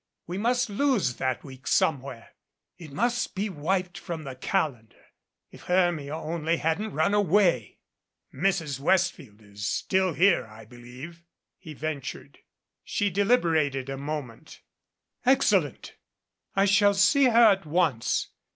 We must lose that week somewhere. It must be wiped from the calendar. If Hermia only hadn't run away !" "Mrs. Westfield is still here, I believe," he ventured. She deliberated a moment. "Excellent. I shall see her at once.